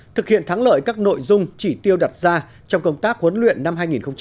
thực hiện thắng lợi các nội dung chỉ tiêu đặt ra trong công tác huấn luyện năm hai nghìn hai mươi